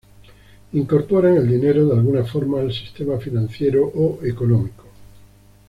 Incorporan el dinero de alguna forma al sistema financiero o económico.